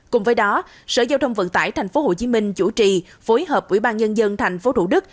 cùng với đó sở giao thông vận tải tp hcm chủ trì phối hợp ủy ban nhân dân tp thủ đức